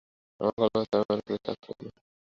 আমার গলা ব্যথা এবং আমি অনেক কিছুর স্বাদ পাই না।